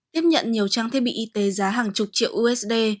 tiếp nhận nhiều trang thiết bị y tế giá hàng chục triệu usd